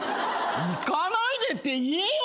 行かないでって言えよ。